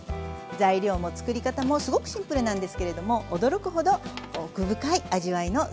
材料も作り方もすごくシンプルなんですけれども驚くほど奥深い味わいのスープに仕上がります。